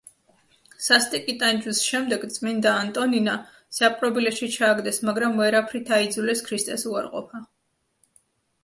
სასტიკი ტანჯვის შემდეგ წმიდა ანტონინა საპყრობილეში ჩააგდეს, მაგრამ ვერაფრით აიძულეს ქრისტეს უარყოფა.